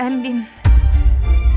kamu nggak usah maksa nino